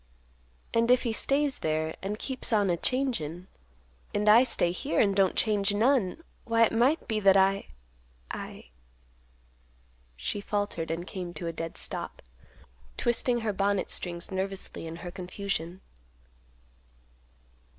And if he stays there and keeps on a changin', and I stay here, and don't change none, why it might be that I—I—" She faltered and came to a dead stop, twisting her bonnet strings nervously in her confusion.